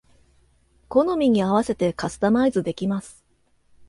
好みに合わせてカスタマイズできます